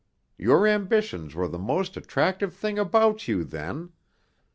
Your ambitions were the most attractive thing about you then.